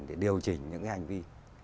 để điều chỉnh những cái hành vi